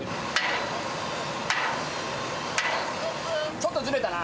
ちょっとズレたな。